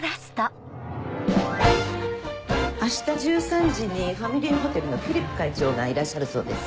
明日１３時にファミリエホテルのフィリップ会長がいらっしゃるそうです。